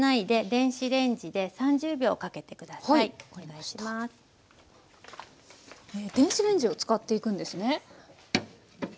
電子レンジを使っていくんですね。